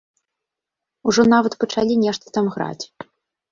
Ужо нават пачалі нешта там граць.